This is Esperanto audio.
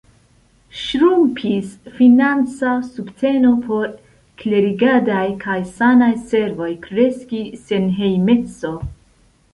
Ŝrumpis financa subteno por klerigadaj kaj sanaj servoj; kreskis senhejmeco.